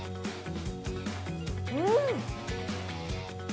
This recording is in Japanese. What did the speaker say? うん。